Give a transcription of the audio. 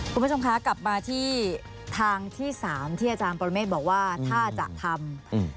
คุณผู้ชมคะกลับมาที่ทางที่สามที่อาจารย์ปรเมฆบอกว่าถ้าจะทำ